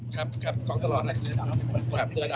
ครับครับของตลอดเลย